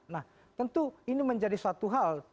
nah tentu ini menjadi suatu hal